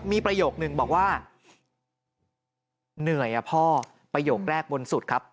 มีประโยคนึงบอกว่าเหนื่อยอ่ะพ่อประโยคแรกบนสุดครับ